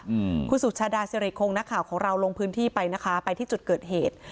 อืมคุณสุชาดาสิริคงนักข่าวของเราลงพื้นที่ไปนะคะไปที่จุดเกิดเหตุ